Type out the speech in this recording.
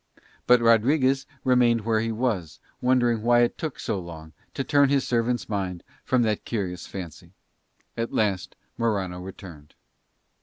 But Rodriguez remained where he was, wondering why it took so long to turn his servant's mind from that curious fancy. At last Morano returned.